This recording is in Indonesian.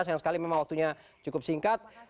sayang sekali memang waktunya cukup singkat